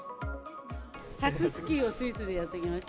初スキーをスイスでやってきました。